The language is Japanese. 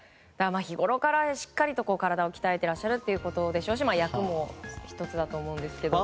日ごろから、しっかりと体を鍛えていらっしゃるということでしょうし役も１つだと思うんですけど。